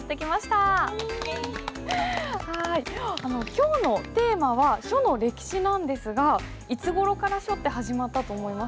今日のテーマは「書の歴史」なんですがいつごろから書って始まったと思いますか？